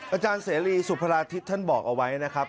อาจารย์เสรีสุพราธิตท่านบอกเอาไว้นะครับ